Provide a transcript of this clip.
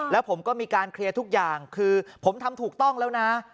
แล้วผมก็มีการเคลียร์ทุกอย่างคือผมทำถูกต้องแล้วนะ